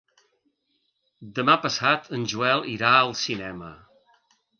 Demà passat en Joel irà al cinema.